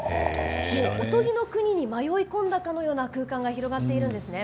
おとぎの国に迷い込んだかのような空間が広がっているんですね。